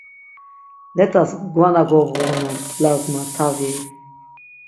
Let̆as mgvana gobğu unon; lazma, tavi...